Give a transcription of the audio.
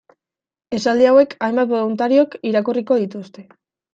Esaldi hauek hainbat boluntariok irakurriko dituzte.